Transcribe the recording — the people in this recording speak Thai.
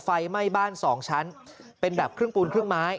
ไฟไหม้บ้านสองชั้นเป็นแบบครึ่งปูนครึ่งไม้